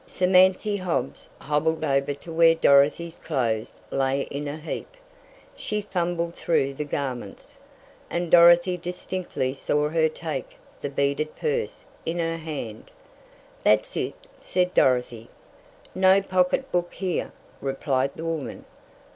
Samanthy Hobbs hobbled over to where Dorothy's clothes lay in a heap. She fumbled through the garments, and Dorothy distinctly saw her take the beaded purse in her hand. "That's it," said Dorothy. "No pocketbook here," replied the woman.